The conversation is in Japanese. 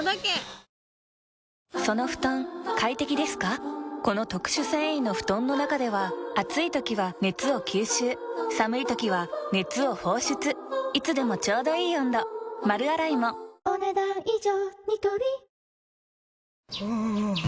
お申込みはこの特殊繊維の布団の中では暑い時は熱を吸収寒い時は熱を放出いつでもちょうどいい温度丸洗いもお、ねだん以上。